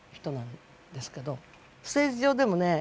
ステージ上でもね